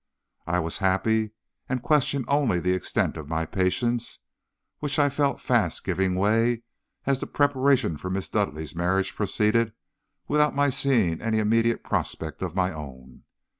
"I was happy, and questioned only the extent of my patience, which I felt fast giving way as the preparations for Miss Dudleigh's marriage proceeded without my seeing any immediate prospect of my own.